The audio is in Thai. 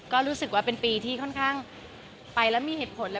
ก็รู้สึกว่าเป็นปีที่ค่อนข้างไปแล้วมีเหตุผล